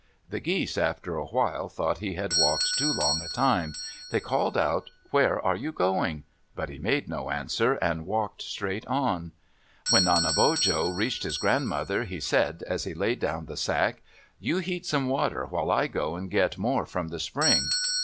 The geese after a while thought he had walked too long a time. They called out, "Where are you going?" but he made no answer and walked straight on. When Nanebojo reached his grandmother, he said, as he laid down the sack, "You heat some water while I go and get more from the spring."